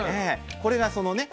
これがそのね